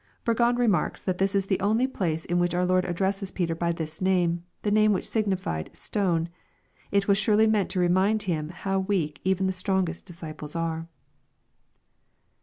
] Burgon remarks that this is the only place in wliich our Lord addresses Peter by this name, the name which signified "stone." It was surely meant to remind him how weak even ^he strongest disciples are.